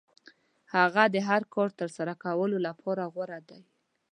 هغه د هر کار ترسره کولو لپاره غوره دی.